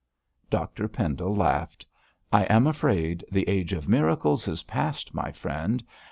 Dr Pendle laughed. 'I am afraid the age of miracles is past, my friend.